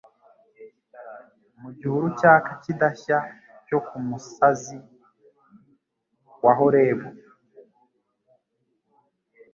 Mu gihuru cyaka kidashya cyo ku musazi wa Horebu,